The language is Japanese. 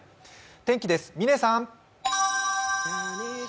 天気です、嶺さん。